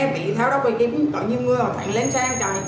vị tháo đó quay kiếm có nhiều người họ thầy lên xe không chạy